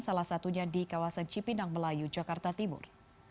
salah satunya di kawasan cipinang melayu jakarta timur